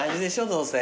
どうせ。